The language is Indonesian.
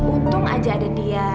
untung aja ada dia